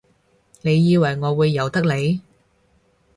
你以為我會由得你？